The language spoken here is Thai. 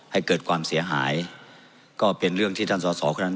ให้เกิดความเสียหายก็เป็นเรื่องที่ท่านสอสอคนนั้น